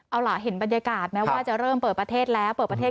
เอาล่ะเห็นบรรยากาศแม้ว่าจะเริ่มเปิดประเทศแล้วเปิดประเทศ